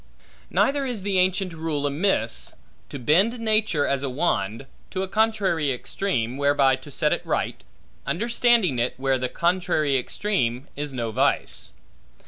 Neither is the ancient rule amiss, to bend nature, as a wand, to a contrary extreme, whereby to set it right, understanding it, where the contrary extreme is no vice.